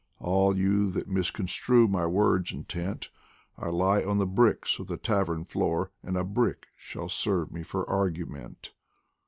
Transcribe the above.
All you that misconstrue my words' intent, I lie on the bricks of the tavern floor, And a brick shall serve me for argument.